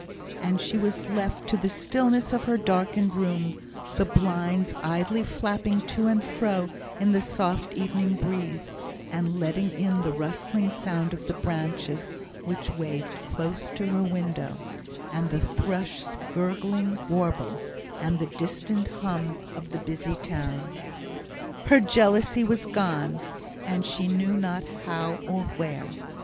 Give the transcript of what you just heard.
And she was left to the stillness of her darkened room, the blinds idly flapping to and fro in the soft evening breeze, and letting in the rustling sound of the branches which waved close to her window, and the thrush's gurgling warble, and the distant hum of the busy town. Her jealousy was gone she knew not how or where.